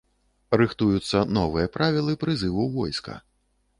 Рыхтуюцца новыя правілы прызыву ў войска.